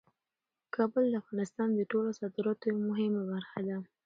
کابل د افغانستان د ټولو صادراتو یوه مهمه برخه ده.